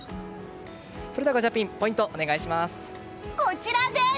それじゃあ、ガチャピンポイントお願いします。